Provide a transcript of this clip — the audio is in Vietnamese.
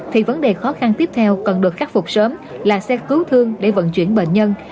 thì vấn đề khó khăn tiếp theo cần được khắc phục sớm là xe cứu thương để vận chuyển bệnh nhân